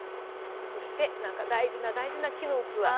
そして大事な大事な木の器。